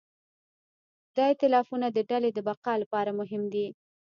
دا ایتلافونه د ډلې د بقا لپاره مهم دي.